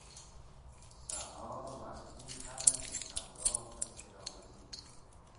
سهار وختي خلک د سودا پسې راوزي.